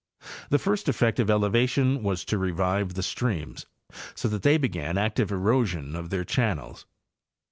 The first effect of elevation was to revive the streams, so that they began active erosion of their channels.